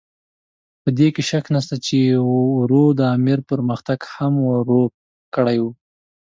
په دې کې شک نشته چې واورو د امیر پرمختګ هم ورو کړی وو.